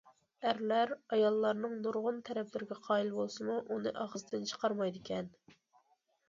ئەرلەر ئاياللارنىڭ نۇرغۇن تەرەپلىرىگە قايىل بولسىمۇ، ئۇنى ئاغزىدىن چىقارمايدىكەن.